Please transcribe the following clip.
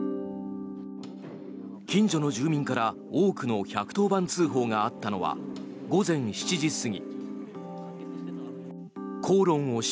近所の住民から多くの１１０番通報があったのは午前７時過ぎ。